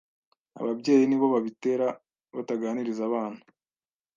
ababyeyi nibo babitera bataganiriza abana